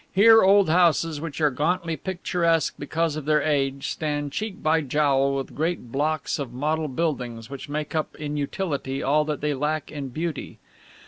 Here old houses, which are gauntly picturesque because of their age, stand cheek by jowl with great blocks of model dwellings, which make up in utility all that they lack in beauty.